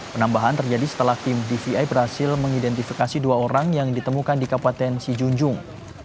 penambahan terjadi setelah tim dvi berhasil mengidentifikasi dua orang yang ditemukan di kabupaten sijunjung